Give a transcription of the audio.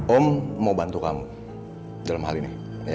om mau bantu kamu dalam hal ini